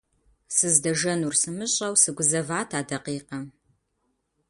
Сыздэжэнур сымыщӏэжу сыгузэват а дакъикъэм.